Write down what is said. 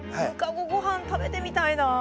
ごはん食べてみたいな。